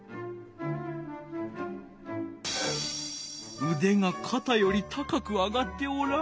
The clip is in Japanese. うでがかたより高く上がっておらん。